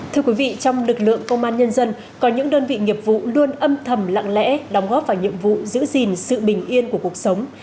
thưa quý vị trong lực lượng công an nhân dân có những đơn vị nghiệp vụ luôn âm thầm lặng lẽ đóng góp vào nhiệm vụ giữ gìn sự bình yên của cuộc sống